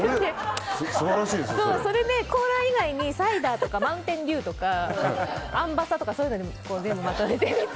それで、コーラ以外にサイダーとかマウンテンデューとかアンバサとかそういうので全部まとめて。